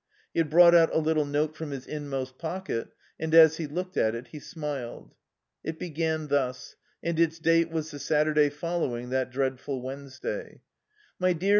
He had brought out a little note from his inmost pocket and as he looked at it he smiled. It began thus, and its date was the Saturday following that dreadful Wednesday: "MY DEAR MR.